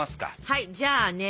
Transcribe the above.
はいじゃあね